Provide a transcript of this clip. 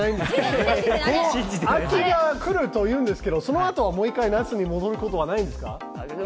この秋が来るというんですけどそのあとは、もう１回、夏に戻ることはないんですか？